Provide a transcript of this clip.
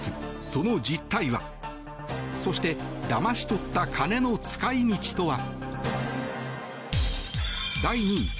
その実態は、そしてだまし取った金の使い道とは。